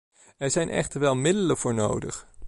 Er zijn echter wel middelen voor nodig.